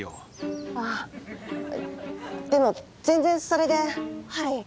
でも全然それではい。